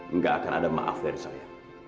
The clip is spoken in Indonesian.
enggak akan ada maaf dari saya